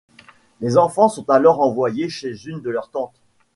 Les enfants sont alors envoyés chez une de leurs tantes.